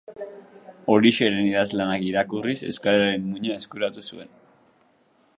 Orixeren idazlanak irakurriz euskararen muina eskuratu zuen.